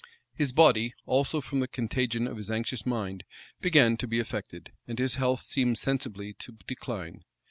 His body, also, from the contagion of his anxious mind, began to be affected, and his health seemed sensibly to decline.